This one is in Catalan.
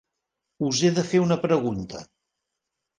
Us he de fer una pregunta.